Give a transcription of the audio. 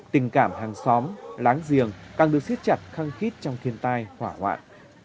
tình cảm hàng xóm láng giềng càng được siết chặt khăng khít trong thiên tai hỏa hoạn